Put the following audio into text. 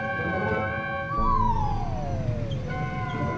lebih sekarang udah tawar dua jam soalnya